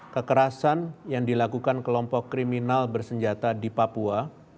kekerasan yang dilakukan kelompok kriminal bersenjata di papua